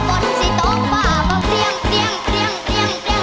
บ่นสิตกบ้าบ่เครียงเครียงเครียงเครียงเครียง